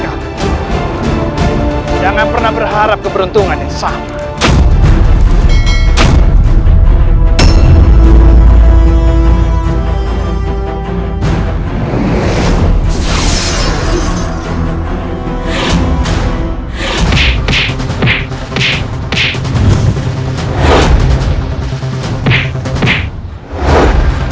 tempat ini benar benar penuh dengan jebakan